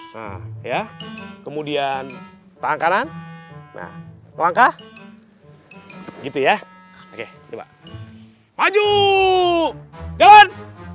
nah ya kemudian tangan kanan nah langkah gitu ya oke coba maju daun